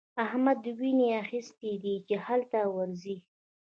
احمد ويني اخيستی دی چې هلته ورځي.